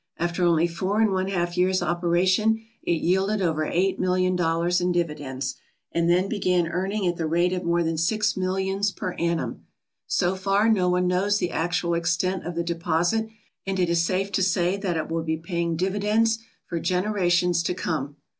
After only four and one half years' operation it yielded over eight million dollars in dividends, and then began earning at the rate of more than six millions per annum. So far no one knows the actual extent of the deposit, and it is safe to say that it will be paying dividends for generations to come."